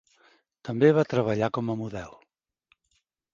També va treballar com a model.